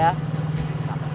biasanya juga sepi